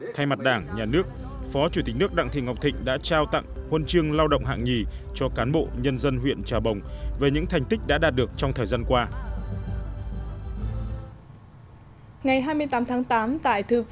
thay mặt đảng nhà nước phó chủ tịch nước đặng thị ngọc thịnh đã trao tặng huân chương lao động hạng nhì cho cán bộ nhân dân huyện trà bồng về những thành tích đã đạt được trong thời gian qua